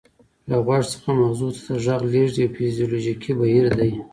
له غوږ څخه مغزو ته د غږ لیږد یو فزیولوژیکي بهیر دی